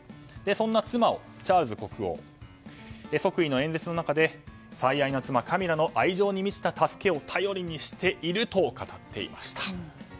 そんな妻をチャールズ国王は即位の演説の中で最愛の妻カミラの愛情に満ちた助けを頼りにしていると語っていました。